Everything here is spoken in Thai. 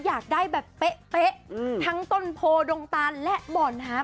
อยากได้แบบเป๊ะทั้งต้นโพดงตานและบ่อน้ำ